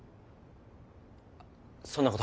そんなこと？